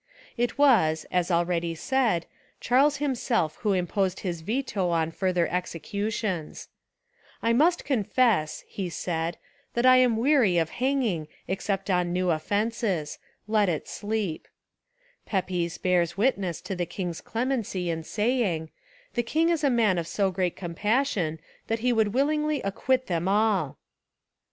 It was, as already said, Charles him self who imposed his veto on further execu tions. "I must confess," he said, "that I am weary of hanging except on new offences: let It sleep." Pepys bears witness to the king's clemency in saying, — "The king is a man of so great compassion that he would willingly acquit 289 Essays and Literary Studies them all."